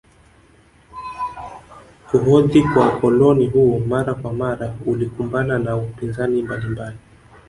Kuhodhi kwa ukoloni huu mara kwa mara ulikumbana na upinzani mbalimbali